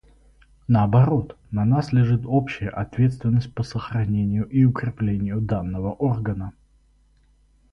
Наоборот, на нас лежит общая ответственность по сохранению и укреплению данного органа.